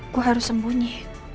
gue harus sembunyi